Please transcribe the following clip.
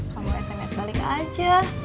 kamu sms balik aja